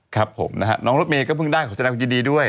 ครับผมนะฮะน้องรถเมย์ก็เพิ่งได้ขอแสดงความยินดีด้วย